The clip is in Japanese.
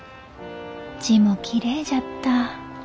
字もきれいじゃった。